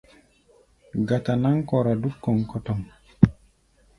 Gata-náŋ kɔra dúk kɔŋkɔtɔŋ.